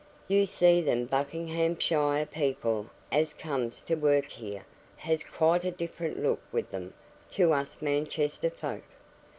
"You see them Buckinghamshire people as comes to work in Manchester, has quite a different look with them to us Manchester folk.